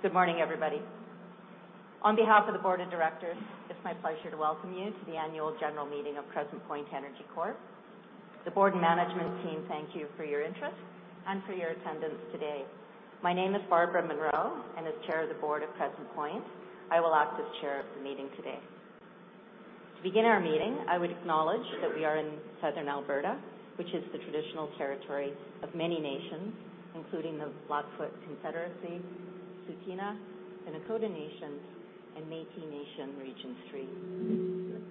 Okay. Good morning, everybody. On behalf of the board of directors, it's my pleasure to welcome you to the Annual General Meeting of Crescent Point Energy Corp. The board and management team thank you for your interest and for your attendance today. My name is Barbara Munroe, and as Chair of the board of Crescent Point, I will act as chair of the meeting today. To begin our meeting, I would acknowledge that we are in Southern Alberta, which is the traditional territory of many nations, including the Blackfoot Confederacy, Tsuut'ina, and Nakoda Nations, and Métis Nation, Region Three.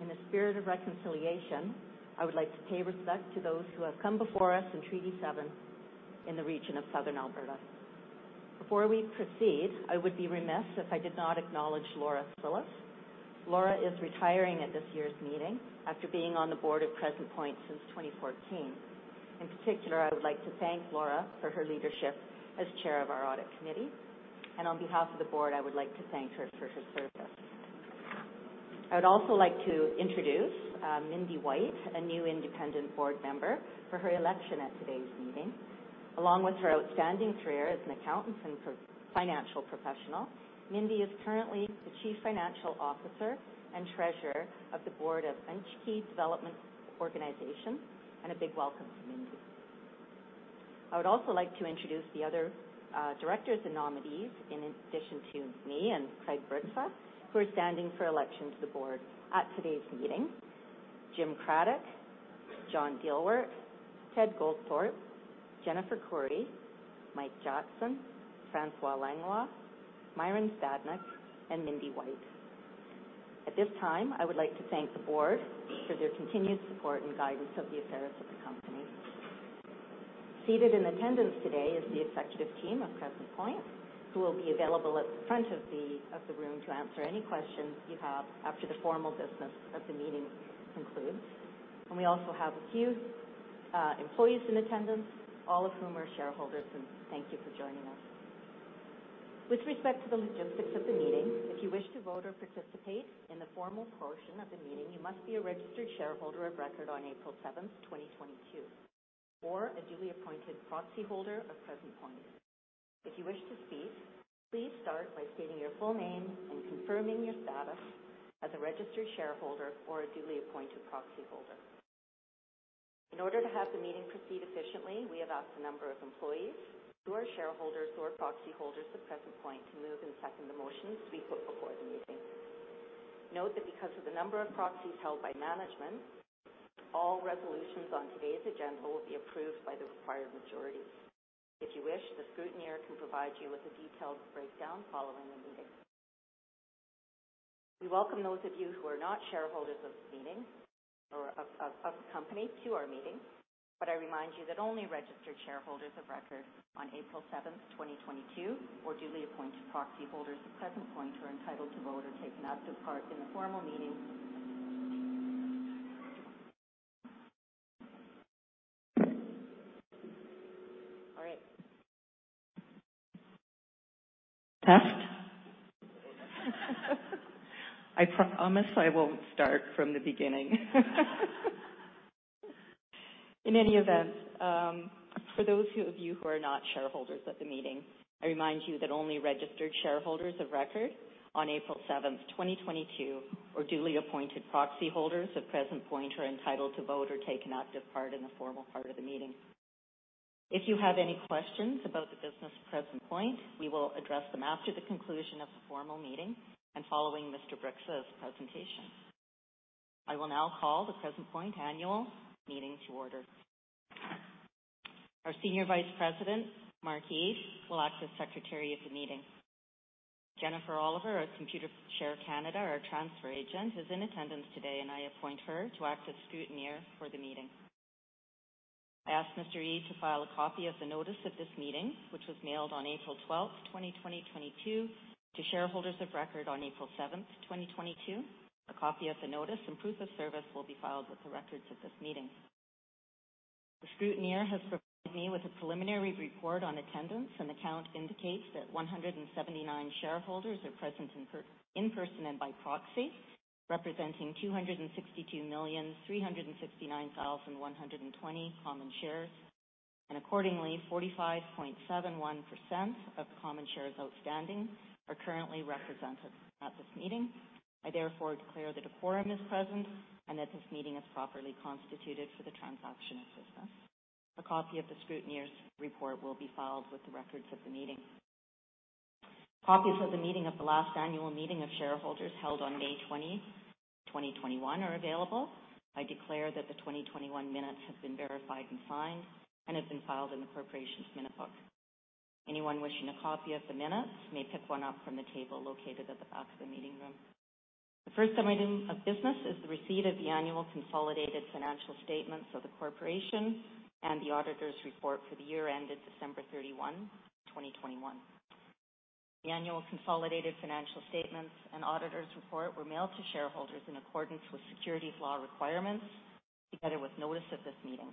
In a spirit of reconciliation, I would like to pay respect to those who have come before us in Treaty Seven in the region of Southern Alberta. Before we proceed, I would be remiss if I did not acknowledge Laura Cillis. Laura is retiring at this year's meeting after being on the board of Crescent Point since 2014. In particular, I would like to thank Laura for her leadership as chair of our audit committee, and on behalf of the board, I would like to thank her for her service. I would also like to introduce Mindy Wight, a new independent board member for her election at today's meeting. Along with her outstanding career as an accountant and financial professional, Mindy is currently the chief financial officer and treasurer of the board of Tsuut'ina Development Organization, and a big welcome to Mindy. I would also like to introduce the other directors and nominees in addition to me and Craig Bryksa, who are standing for election to the board at today's meeting. Jim Craddock, John Dielwart, Ted Goldthorpe, Jennifer Koury, Mike Jackson, François Langlois, Myron Stadnyk, and Mindy Wight. At this time, I would like to thank the board for their continued support and guidance of the affairs of the company. Seated in attendance today is the executive team of Crescent Point, who will be available at the front of the room to answer any questions you have after the formal business of the meeting concludes. We also have a few employees in attendance, all of whom are shareholders, and thank you for joining us. With respect to the logistics of the meeting, if you wish to vote or participate in the formal portion of the meeting, you must be a registered shareholder of record on April seventh, 2022, or a duly appointed proxyholder of Crescent Point. If you wish to speak, please start by stating your full name and confirming your status as a registered shareholder or a duly appointed proxyholder. In order to have the meeting proceed efficiently, we have asked a number of employees who are shareholders, who are proxyholders of Crescent Point, to move and second the motions to be put before the meeting. Note that because of the number of proxies held by management, all resolutions on today's agenda will be approved by the required majority. If you wish, the scrutineer can provide you with a detailed breakdown following the meeting. We welcome those of you who are not shareholders of this meeting or of the company to our meeting, but I remind you that only registered shareholders of record on April seventh, 2022, or duly appointed proxyholders of Crescent Point are entitled to vote or take an active part in the formal meeting. All right. Test. I promise I won't start from the beginning. In any event, for those of you who are not shareholders at the meeting, I remind you that only registered shareholders of record on April 7, 2022, or duly appointed proxyholders of Crescent Point are entitled to vote or take an active part in the formal part of the meeting. If you have any questions about the business of Crescent Point, we will address them after the conclusion of the formal meeting and following Mr. Bryksa's presentation. I will now call the Crescent Point annual meeting to order. Our Senior Vice President, Mark Yee, will act as Secretary of the meeting. Jennifer Oliver of Computershare Canada, our transfer agent, is in attendance today, and I appoint her to act as scrutineer for the meeting. I ask Mr. Yee to file a copy of the notice of this meeting, which was mailed on April 12, 2022, to shareholders of record on April 7, 2022. A copy of the notice and proof of service will be filed with the records of this meeting. The scrutineer has provided me with a preliminary report on attendance, and the count indicates that 179 shareholders are present in person and by proxy, representing 262,369,120 common shares. Accordingly, 45.71% of common shares outstanding are currently represented at this meeting. I therefore declare that a quorum is present and that this meeting is properly constituted for the transaction of business. A copy of the scrutineer's report will be filed with the records of the meeting. Copies of the minutes of the last annual meeting of shareholders held on May 20, 2021 are available. I declare that the 2021 minutes have been verified and signed and have been filed in the corporation's minute book. Anyone wishing a copy of the minutes may pick one up from the table located at the back of the meeting room. The first item of business is the receipt of the annual consolidated financial statements of the corporation and the auditor's report for the year ended December 31, 2021. The annual consolidated financial statements and auditor's report were mailed to shareholders in accordance with securities law requirements, together with notice of this meeting.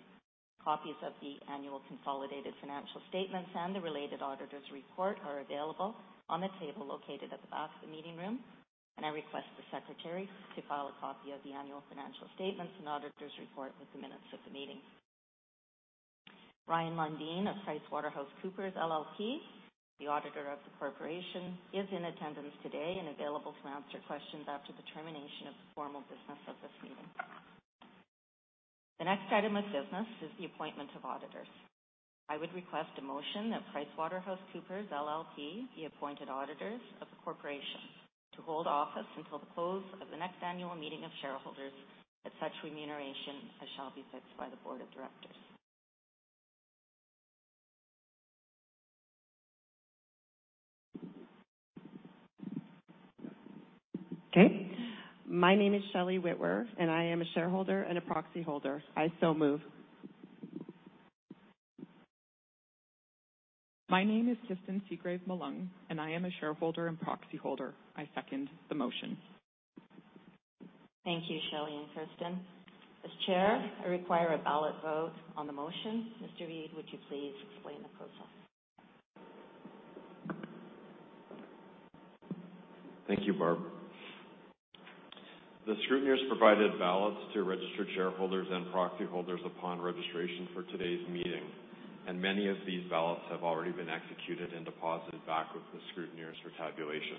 Copies of the annual consolidated financial statements and the related auditor's report are available on the table located at the back of the meeting room, and I request the secretary to file a copy of the annual financial statements and auditor's report with the minutes of the meeting. Ryan Lundin of PricewaterhouseCoopers LLP, the auditor of the corporation, is in attendance today and available to answer questions after the termination of the formal business of this meeting. The next item of business is the appointment of auditors. I would request a motion that PricewaterhouseCoopers LLP be appointed auditors of the corporation to hold office until the close of the next annual meeting of shareholders at such remuneration as shall be fixed by the board of directors. Okay. My name is Shelley Whitworth, and I am a shareholder and a proxyholder. I so move. My name is Kirsten Seagrave-Malung, and I am a shareholder and proxyholder. I second the motion. Thank you, Shelley and Kirsten. As Chair, I require a ballot vote on the motion. Mark Eade, would you please explain the process? Thank you, Barb. The scrutineers provided ballots to registered shareholders and proxyholders upon registration for today's meeting, and many of these ballots have already been executed and deposited back with the scrutineers for tabulation.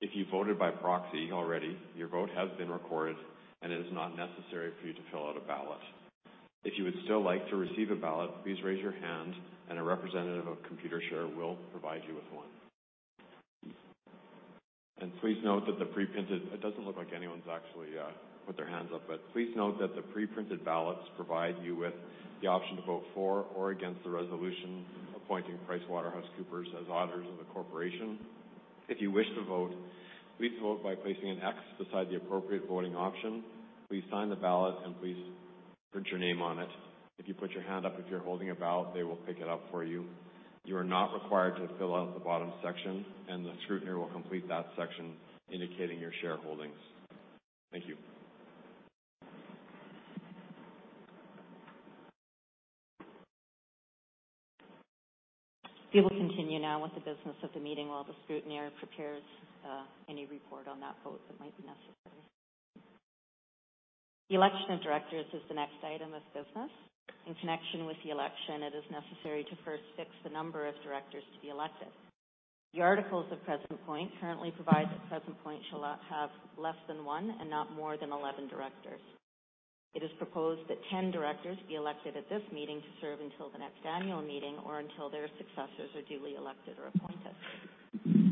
If you voted by proxy already, your vote has been recorded, and it is not necessary for you to fill out a ballot. If you would still like to receive a ballot, please raise your hand and a representative of Computershare will provide you with one. It doesn't look like anyone's actually put their hands up, but please note that the pre-printed ballots provide you with the option to vote for or against the resolution appointing PricewaterhouseCoopers as auditors of the corporation. If you wish to vote, please vote by placing an X beside the appropriate voting option. Please sign the ballot and please print your name on it. If you put your hand up, if you're holding a ballot, they will pick it up for you. You are not required to fill out the bottom section, and the scrutineer will complete that section indicating your shareholdings. Thank you. We will continue now with the business of the meeting while the scrutineer prepares any report on that vote that might be necessary. The election of directors is the next item of business. In connection with the election, it is necessary to first fix the number of directors to be elected. The articles of Crescent Point currently provide that Crescent Point shall not have less than one and not more than 11 directors. It is proposed that 10 directors be elected at this meeting to serve until the next annual meeting or until their successors are duly elected or appointed.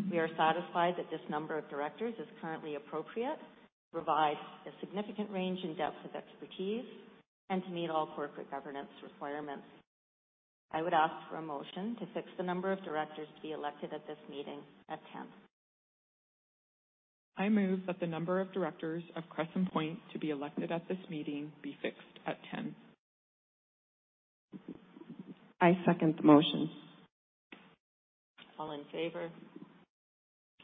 We are satisfied that this number of directors is currently appropriate, provides a significant range and depth of expertise, and to meet all corporate governance requirements. I would ask for a motion to fix the number of directors to be elected at this meeting at 10. I move that the number of directors of Crescent Point to be elected at this meeting be fixed at 10. I second the motion. All in favor?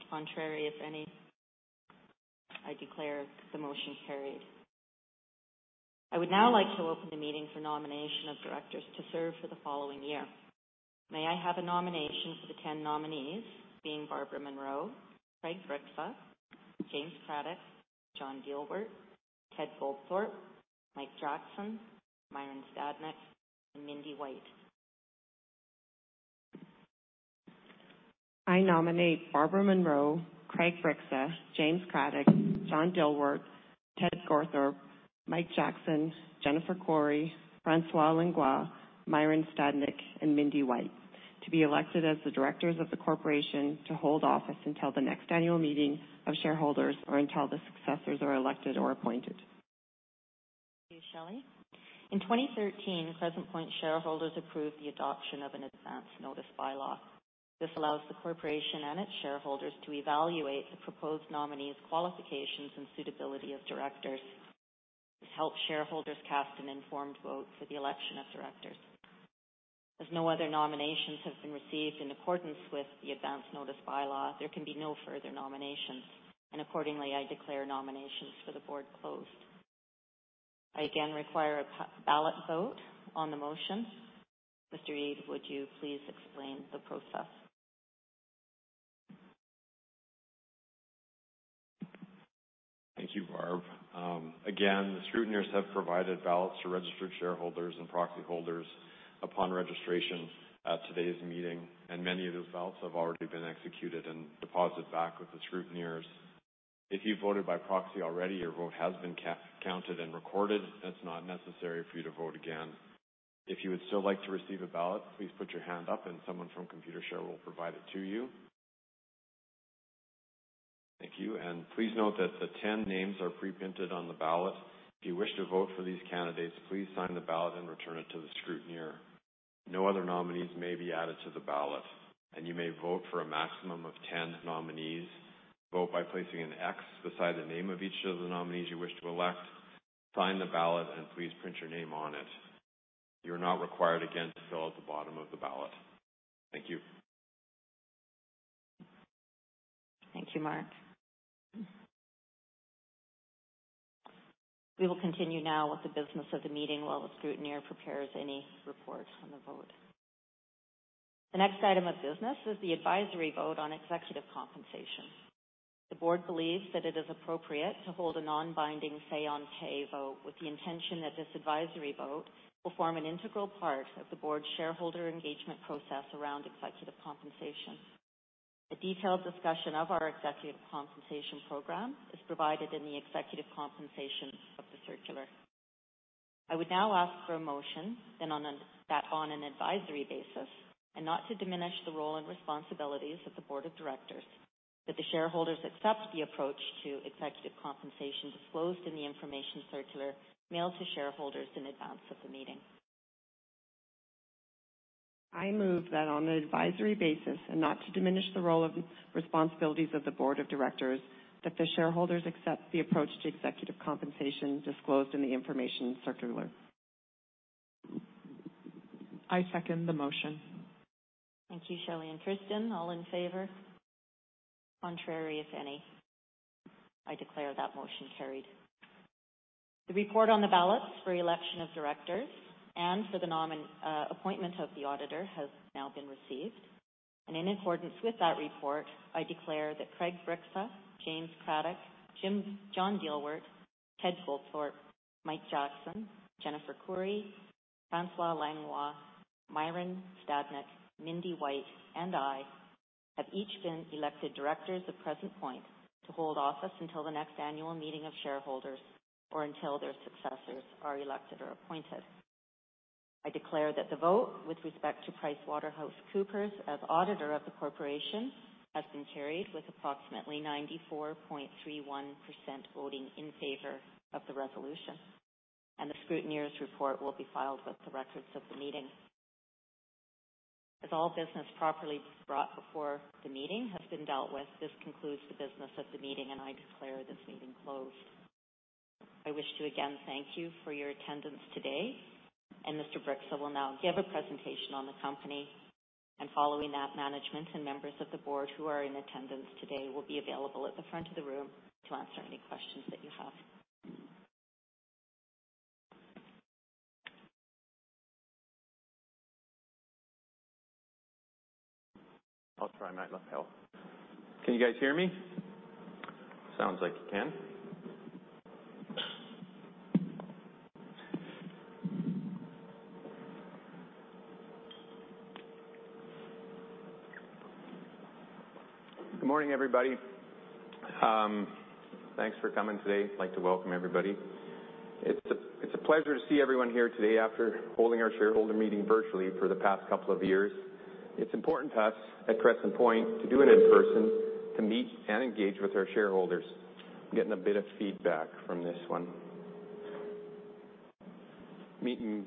Contrary, if any? I declare the motion carried. I would now like to open the meeting for nomination of directors to serve for the following year. May I have a nomination for the ten nominees being Barbara Munroe, Craig Bryksa, James Craddock, John Dielwart, Ted Goldthorpe, Mike Jackson, Myron M. Stadnyk, and Mindy Wight. I nominate Barbara Munroe, Craig Bryksa, James Craddock, John Dielwart, Ted Goldthorpe, Mike Jackson, Jennifer F. Koury, François Langlois, Myron M. Stadnyk, and Mindy Wight to be elected as the directors of the corporation to hold office until the next annual meeting of shareholders or until the successors are elected or appointed. Thank you, Shelley. In 2013, Crescent Point shareholders approved the adoption of an advance notice bylaw. This allows the corporation and its shareholders to evaluate the proposed nominees' qualifications and suitability as directors to help shareholders cast an informed vote for the election of directors. As no other nominations have been received in accordance with the advance notice bylaw, there can be no further nominations, and accordingly, I declare nominations for the board closed. I again require a ballot vote on the motion. Mark Eade, would you please explain the process? Thank you, Barb. Again, the scrutineers have provided ballots to registered shareholders and proxyholders upon registration at today's meeting, and many of those ballots have already been executed and deposited back with the scrutineers. If you voted by proxy already, your vote has been counted and recorded, and it's not necessary for you to vote again. If you would still like to receive a ballot, please put your hand up, and someone from Computershare will provide it to you. Thank you, and please note that the 10 names are pre-printed on the ballot. If you wish to vote for these candidates, please sign the ballot and return it to the scrutineer. No other nominees may be added to the ballot, and you may vote for a maximum of 10 nominees. Vote by placing an X beside the name of each of the nominees you wish to elect. Sign the ballot and please print your name on it. You're not required again to fill out the bottom of the ballot. Thank you. Thank you, Mark. We will continue now with the business of the meeting while the scrutineer prepares any reports on the vote. The next item of business is the advisory vote on executive compensation. The board believes that it is appropriate to hold a non-binding say on pay vote with the intention that this advisory vote will form an integral part of the board shareholder engagement process around executive compensation. A detailed discussion of our executive compensation program is provided in the executive compensation section of the circular. I would now ask for a motion that on an advisory basis, and not to diminish the role and responsibilities of the board of directors, that the shareholders accept the approach to executive compensation disclosed in the information circular mailed to shareholders in advance of the meeting. I move that on an advisory basis, and not to diminish the role or responsibilities of the board of directors, that the shareholders accept the approach to executive compensation disclosed in the information circular. I second the motion. Thank you, Shelley and Tristan. All in favor? Contrary, if any? I declare that motion carried. The report on the ballots for election of directors and for the appointment of the auditor has now been received. In accordance with that report, I declare that Craig Bryksa, James Craddock, John Dielwart, Ted Goldthorpe, Mike Jackson, Jennifer F. Koury, François Langlois, Myron Stadnyk, Mindy Wight, and I have each been elected directors of Crescent Point to hold office until the next annual meeting of shareholders or until their successors are elected or appointed. I declare that the vote with respect to PricewaterhouseCoopers as auditor of the corporation has been carried with approximately 94.31% voting in favor of the resolution, and the scrutineer's report will be filed with the records of the meeting. As all business properly brought before the meeting has been dealt with, this concludes the business of the meeting, and I declare this meeting closed. I wish to again thank you for your attendance today, and Mr. Bryksa will now give a presentation on the company. Following that, management and members of the board who are in attendance today will be available at the front of the room to answer any questions that you have. I'll try my luck. Hello. Can you guys hear me? Sounds like you can. Good morning, everybody. Thanks for coming today. I'd like to welcome everybody. It's a pleasure to see everyone here today after holding our shareholder meeting virtually for the past couple of years. It's important to us at Crescent Point to do it in person, to meet and engage with our shareholders. I'm getting a bit of feedback from this one. Again,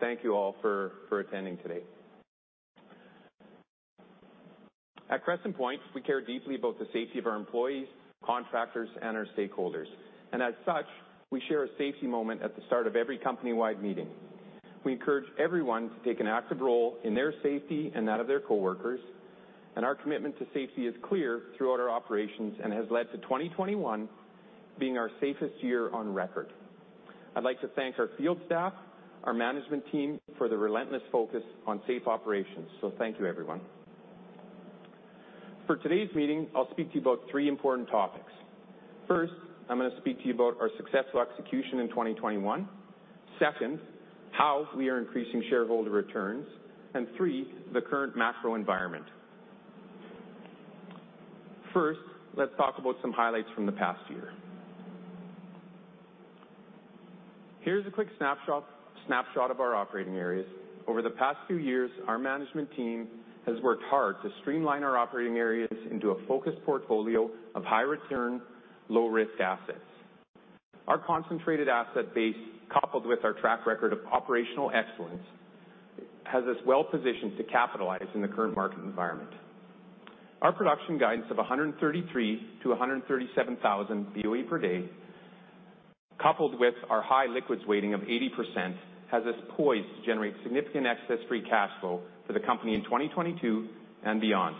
thank you all for attending today. At Crescent Point, we care deeply about the safety of our employees, contractors, and our stakeholders, and as such, we share a safety moment at the start of every company-wide meeting. We encourage everyone to take an active role in their safety and that of their coworkers, and our commitment to safety is clear throughout our operations and has led to 2021 being our safest year on record. I'd like to thank our field staff, our management team for their relentless focus on safe operations. Thank you, everyone. For today's meeting, I'll speak to you about three important topics. First, I'm gonna speak to you about our successful execution in 2021. Second, how we are increasing shareholder returns, and three, the current macro environment. First, let's talk about some highlights from the past year. Here's a quick snapshot of our operating areas. Over the past few years, our management team has worked hard to streamline our operating areas into a focused portfolio of high return, low risk assets. Our concentrated asset base, coupled with our track record of operational excellence, has us well-positioned to capitalize in the current market environment. Our production guidance of 133,000-137,000 BOE per day, coupled with our high liquids weighting of 80%, has us poised to generate significant excess free cash flow for the company in 2022 and beyond.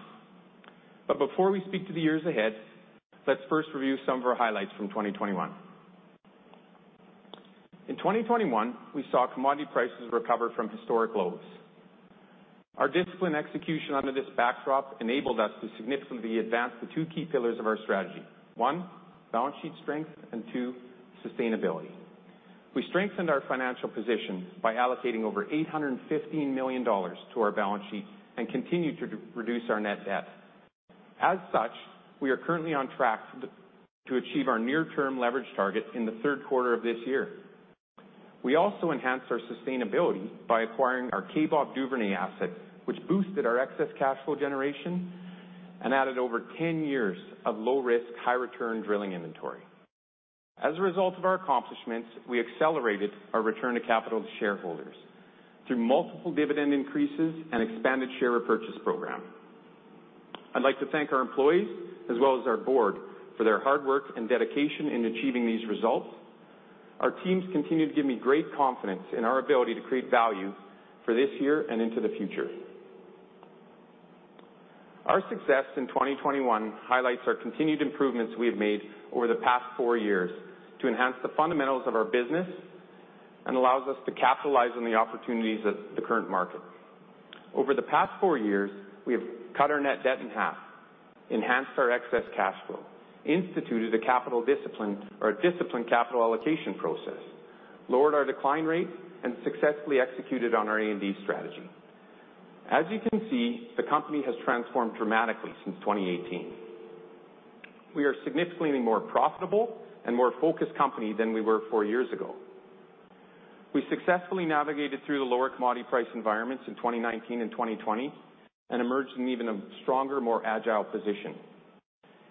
Before we speak to the years ahead, let's first review some of our highlights from 2021. In 2021, we saw commodity prices recover from historic lows. Our disciplined execution under this backdrop enabled us to significantly advance the two key pillars of our strategy. One, balance sheet strength, and two, sustainability. We strengthened our financial position by allocating over 815 million dollars to our balance sheet and continued to reduce our net debt. As such, we are currently on track to achieve our near-term leverage target in the third quarter of this year. We also enhanced our sustainability by acquiring our Kaybob Duvernay asset, which boosted our excess cash flow generation and added over 10 years of low risk, high return drilling inventory. As a result of our accomplishments, we accelerated our return to capital to shareholders through multiple dividend increases and expanded share repurchase program. I'd like to thank our employees as well as our board for their hard work and dedication in achieving these results. Our teams continue to give me great confidence in our ability to create value for this year and into the future. Our success in 2021 highlights our continued improvements we have made over the past four years to enhance the fundamentals of our business and allows us to capitalize on the opportunities at the current market. Over the past four years, we have cut our net debt in half, enhanced our excess cash flow, instituted the capital discipline or a disciplined capital allocation process, lowered our decline rate, and successfully executed on our A&D strategy. As you can see, the company has transformed dramatically since 2018. We are significantly more profitable and more focused company than we were four years ago. We successfully navigated through the lower commodity price environments in 2019 and 2020 and emerged in even a stronger, more agile position.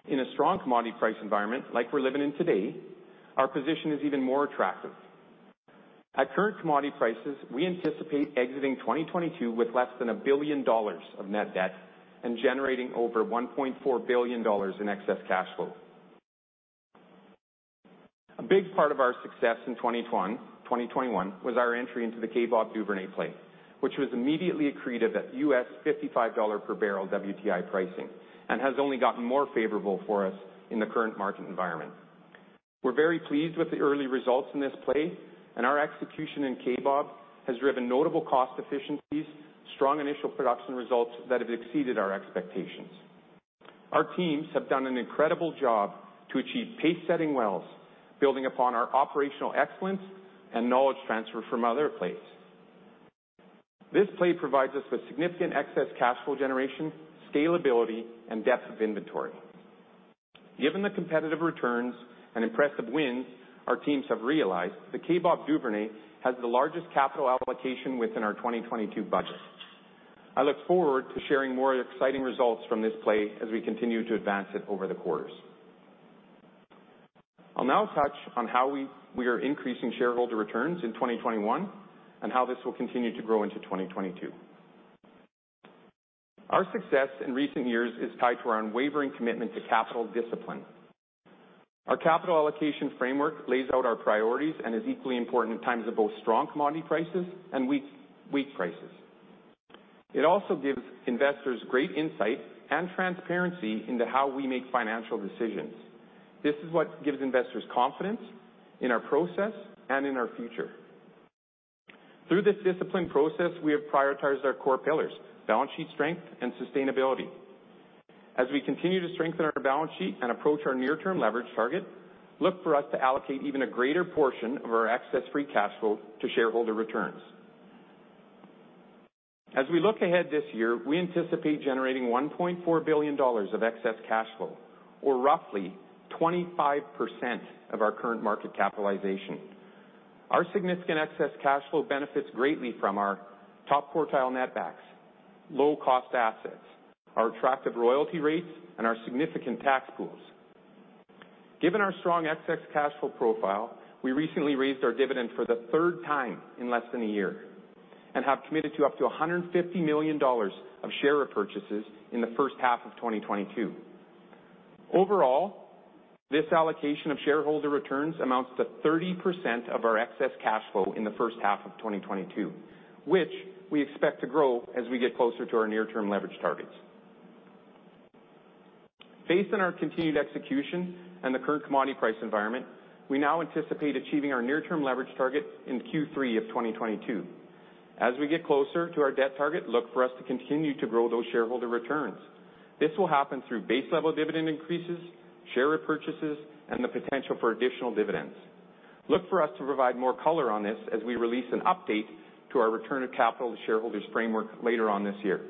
In a strong commodity price environment like we're living in today, our position is even more attractive. At current commodity prices, we anticipate exiting 2022 with less than 1 billion dollars of net debt and generating over 1.4 billion dollars in excess cash flow. A big part of our success in 2021 was our entry into the Kaybob Duvernay play, which was immediately accretive at $55 per barrel WTI pricing, and has only gotten more favorable for us in the current market environment. We're very pleased with the early results in this play and our execution in Kaybob has driven notable cost efficiencies, strong initial production results that have exceeded our expectations. Our teams have done an incredible job to achieve pace setting wells, building upon our operational excellence and knowledge transfer from other plays. This play provides us with significant excess cash flow generation, scalability, and depth of inventory. Given the competitive returns and impressive wins our teams have realized, the Kaybob Duvernay has the largest capital allocation within our 2022 budget. I look forward to sharing more exciting results from this play as we continue to advance it over the quarters. I'll now touch on how we are increasing shareholder returns in 2021 and how this will continue to grow into 2022. Our success in recent years is tied to our unwavering commitment to capital discipline. Our capital allocation framework lays out our priorities and is equally important in times of both strong commodity prices and weak prices. It also gives investors great insight and transparency into how we make financial decisions. This is what gives investors confidence in our process and in our future. Through this disciplined process, we have prioritized our core pillars, balance sheet strength, and sustainability. As we continue to strengthen our balance sheet and approach our near-term leverage target, look for us to allocate even a greater portion of our excess free cash flow to shareholder returns. As we look ahead this year, we anticipate generating 1.4 billion dollars of excess cash flow, or roughly 25% of our current market capitalization. Our significant excess cash flow benefits greatly from our top quartile netbacks, low cost assets, our attractive royalty rates, and our significant tax pools. Given our strong excess cash flow profile, we recently raised our dividend for the third time in less than a year, and have committed to up to 150 million dollars of share repurchases in the first half of 2022. Overall, this allocation of shareholder returns amounts to 30% of our excess cash flow in the first half of 2022, which we expect to grow as we get closer to our near-term leverage targets. Based on our continued execution and the current commodity price environment, we now anticipate achieving our near-term leverage target in Q3 of 2022. As we get closer to our debt target, look for us to continue to grow those shareholder returns. This will happen through base level dividend increases, share repurchases, and the potential for additional dividends. Look for us to provide more color on this as we release an update to our return of capital to shareholders framework later on this year.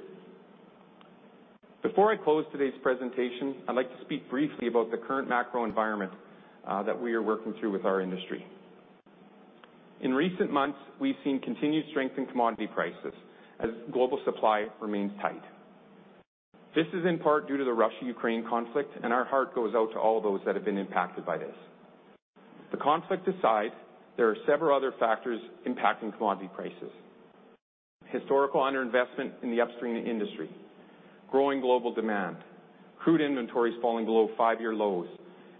Before I close today's presentation, I'd like to speak briefly about the current macro environment, that we are working through with our industry. In recent months, we've seen continued strength in commodity prices as global supply remains tight. This is in part due to the Russia-Ukraine conflict, and our heart goes out to all those that have been impacted by this. The conflict aside, there are several other factors impacting commodity prices. Historical underinvestment in the upstream industry, growing global demand, crude inventories falling below five-year lows,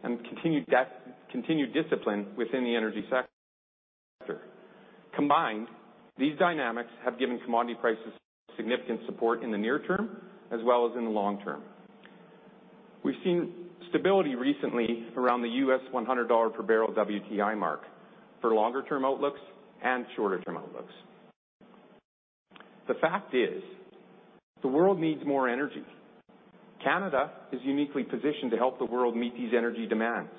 and continued debt, continued discipline within the energy sector. Combined, these dynamics have given commodity prices significant support in the near term as well as in the long term. We've seen stability recently around the $100 per barrel WTI mark for longer term outlooks and shorter term outlooks. The fact is, the world needs more energy. Canada is uniquely positioned to help the world meet these energy demands.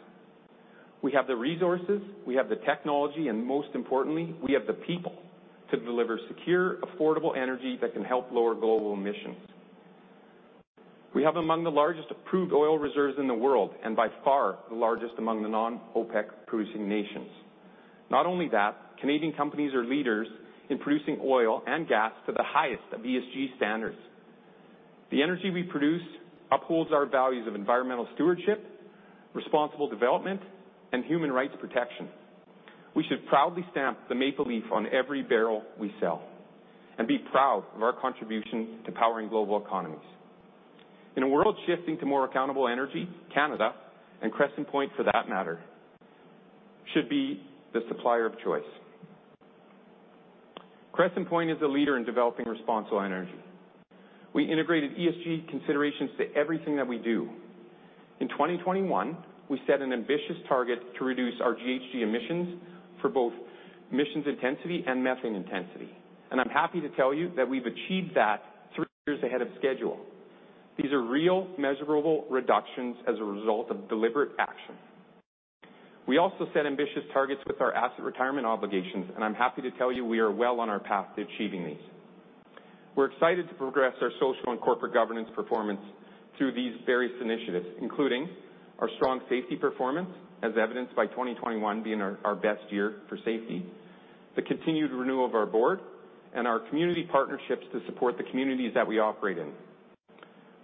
We have the resources, we have the technology, and most importantly, we have the people to deliver secure, affordable energy that can help lower global emissions. We have among the largest approved oil reserves in the world, and by far the largest among the non-OPEC producing nations. Not only that, Canadian companies are leaders in producing oil and gas to the highest ESG standards. The energy we produce upholds our values of environmental stewardship, responsible development, and human rights protection. We should proudly stamp the maple leaf on every barrel we sell and be proud of our contribution to powering global economies. In a world shifting to more accountable energy, Canada, and Crescent Point for that matter, should be the supplier of choice. Crese is a leader in developing responsible energy. We integrated ESG considerations into everything that we do. In 2021, we set an ambitious target to reduce our GHG emissions for both emissions intensity and methane intensity. I'm happy to tell you that we've achieved that three years ahead of schedule. These are real measurable reductions as a result of deliberate action. We also set ambitious targets with our asset retirement obligations, and I'm happy to tell you we are well on our path to achieving these. We're excited to progress our social and corporate governance performance through these various initiatives, including our strong safety performance as evidenced by 2021 being our best year for safety, the continued renewal of our board and our community partnerships to support the communities that we operate in.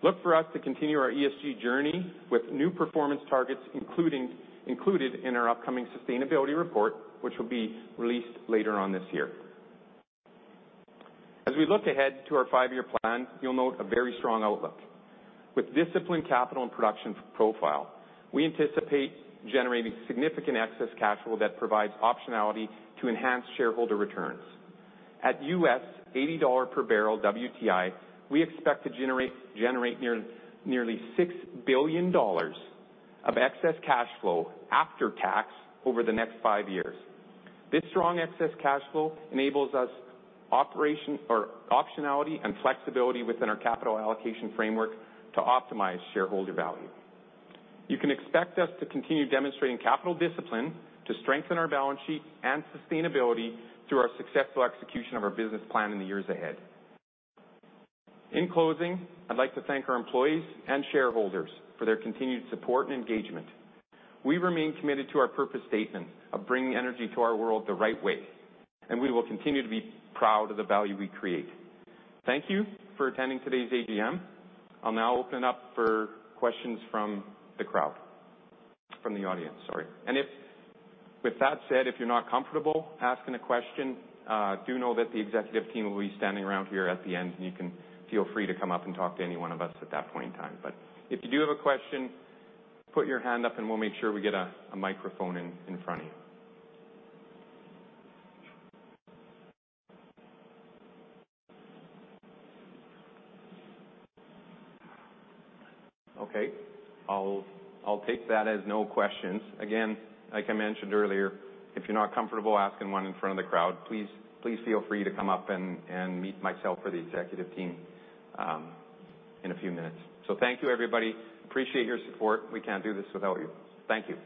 Look for us to continue our ESG journey with new performance targets, included in our upcoming sustainability report, which will be released later on this year. As we look ahead to our five-year plan, you'll note a very strong outlook. With disciplined capital and production profile, we anticipate generating significant excess cash flow that provides optionality to enhance shareholder returns. At $80 per barrel WTI, we expect to generate nearly $6 billion of excess cash flow after tax over the next five years. This strong excess cash flow enables us operational optionality and flexibility within our capital allocation framework to optimize shareholder value. You can expect us to continue demonstrating capital discipline to strengthen our balance sheet and sustainability through our successful execution of our business plan in the years ahead. In closing, I'd like to thank our employees and shareholders for their continued support and engagement. We remain committed to our purpose statement of bringing energy to our world the right way, and we will continue to be proud of the value we create. Thank you for attending today's AGM. I'll now open up for questions from the audience, sorry. With that said, if you're not comfortable asking a question, do know that the executive team will be standing around here at the end, and you can feel free to come up and talk to any one of us at that point in time. But if you do have a question, put your hand up, and we'll make sure we get a microphone in front of you. Okay, I'll take that as no questions. Again, like I mentioned earlier, if you're not comfortable asking one in front of the crowd, please feel free to come up and meet myself or the executive team in a few minutes. Thank you, everybody. Appreciate your support. We can't do this without you. Thank you.